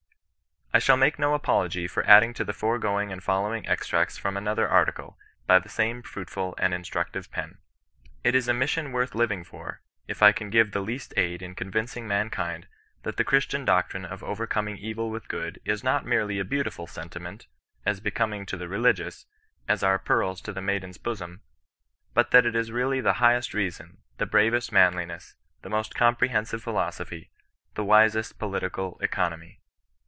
I shall make no apology for adding to the foregoing the followinp^ extnicts from another article, by the same fruitful and instructive pen. ^ It is a mission worth living for, if I can give the least aid in convincing mankind that the Christian doctrine of overcoming evil with good is not merely a beautiful sen timent, as becoming to the religious, as are pearls to the maiden's bosom, but that it is really the highest reason, the bravest manliness, the most comprehensive philo sophy, the wisest political economy.